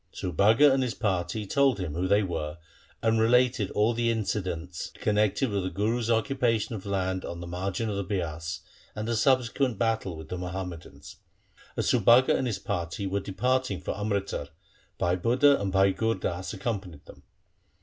Subhaga and his party told them who they were, and related all the incidents connected with the Guru's occupa tion of land on the margin of the Bias and the subsequent battle with the Muhammadans. As Subhaga and his party were departing for Amritsar, Bhai Budha and Bhai Gur Das accompanied them.